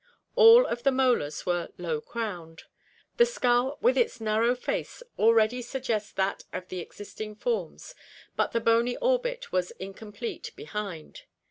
All of the molars were low crowned. The skull with its narrow face already suggests that of the existing forms, but the bony orbit was incomplete be hind.